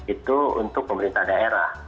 itu untuk pemerintah daerah